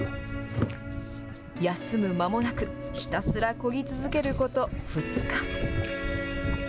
休む間もなく、ひたすらこぎ続けること２日。